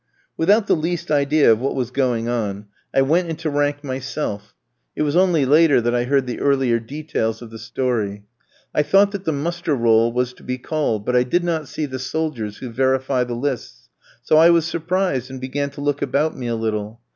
Without the least idea of what was going on, I went into rank myself (it was only later that I heard the earlier details of the story). I thought that the muster roll was to be called, but I did not see the soldiers who verify the lists, so I was surprised, and began to look about me a little.